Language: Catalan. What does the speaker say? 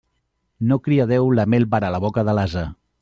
No crià Déu la mel per a la boca de l'ase.